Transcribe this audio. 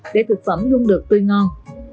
để thực phẩm luôn được tươi ngon